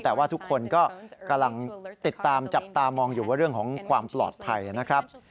แต่ว่าทุกคนก็กำลังติดตามจับตามองอยู่ว่าเรื่องของความปลอดภัยนะครับ